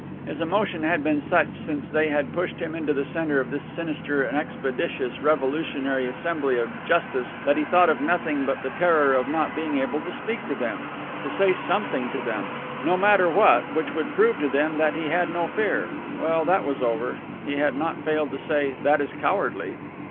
His emotion had been such, since they had pushed him into the center of this sinister and expeditious revolutionary assembly of justice, that he thought of nothing but the terror of not being able to speak to them, to say something to them, no matter what, which would prove to them that he had no fear. Well, that was over. He had not failed to say, "That is cowardly."